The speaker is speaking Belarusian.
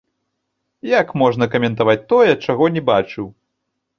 Як можна каментаваць тое, чаго не бачыў?